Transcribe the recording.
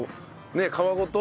皮ごと。